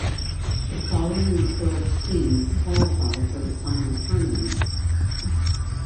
The following twelve teams qualify for the final tournament.